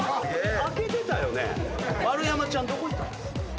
丸山ちゃんどこ行ったん？